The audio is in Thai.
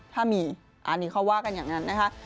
ถ้ามีอันนี้เขาว่ากันอย่างนั้นนะคะ